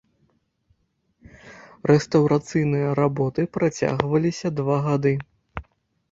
Рэстаўрацыйныя работы працягваліся два гады.